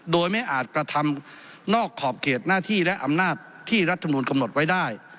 โดยไม่อาจกระทำนอกขอบเขตหน้าที่และอำนาจที่รัฐมนุนกำหนดไว้ได้